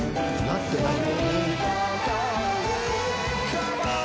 なってない。